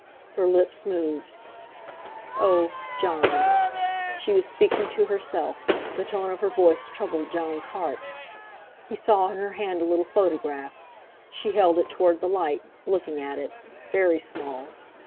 Her lips moved: "Oh! Jon!" She was speaking to herself; the tone of her voice troubled Jon's heart. He saw in her hand a little photograph. She held it toward the light, looking at it—very small.